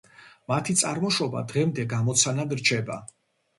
მათი წარმოშობა დღემდე გამოცანად რჩება.